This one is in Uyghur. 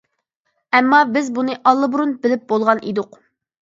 ئەمما بىز بۇنى ئاللىبۇرۇن بىلىپ بولغان ئىدۇق.